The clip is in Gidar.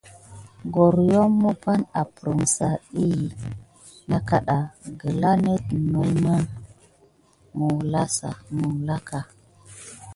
Goryom miɓanà aprisa ɗi nà na kaɗa gəla dət məlməw məwsliakə.